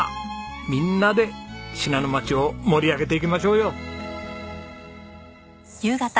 みんなで信濃町を盛り上げていきましょうよ！